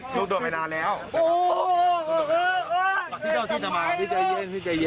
ตามใคร